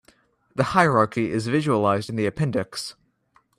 The hierarchy is visualized in the appendix.